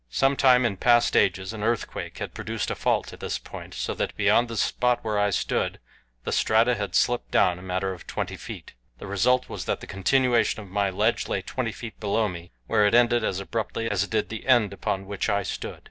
Some time in past ages an earthquake had produced a fault at this point, so that beyond the spot where I stood the strata had slipped down a matter of twenty feet. The result was that the continuation of my ledge lay twenty feet below me, where it ended as abruptly as did the end upon which I stood.